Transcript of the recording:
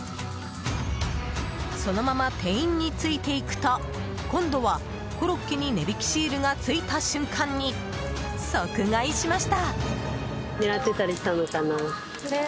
そのまま店員についていくと今度はコロッケに値引きシールがついた瞬間に即買いしました。